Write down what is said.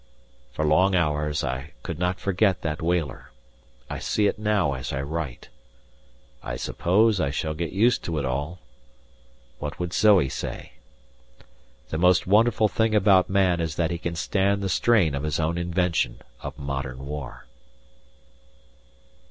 For long hours I could not forget that whaler; I see it now as I write. I suppose I shall get used to it all. What would Zoe say? The most wonderful thing about man is that he can stand the strain of his own invention of modern war!